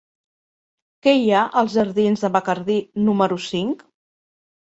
Què hi ha als jardins de Bacardí número cinc?